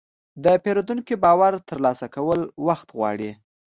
د پیرودونکي باور ترلاسه کول وخت غواړي.